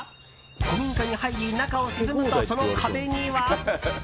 古民家に入り中を進むとその壁には。